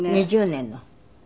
２０年の。